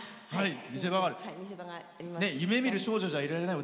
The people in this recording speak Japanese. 「夢見る少女じゃいられない」